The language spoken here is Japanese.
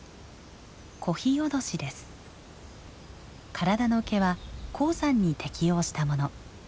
体の毛は高山に適応したもの。